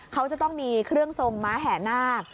เขาจะต้องมีเครื่องทรงม้าแห่นาค